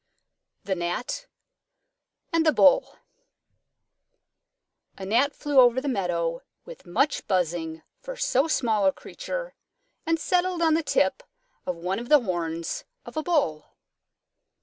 _ THE GNAT AND THE BULL A Gnat flew over the meadow with much buzzing for so small a creature and settled on the tip of one of the horns of a Bull.